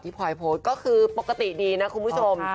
พลอยโพสต์ก็คือปกติดีนะคุณผู้ชม